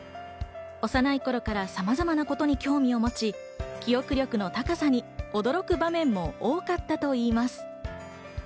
幼い頃から様々なことに興味を持ち、記憶力の高さに驚く場面も多かったといいます。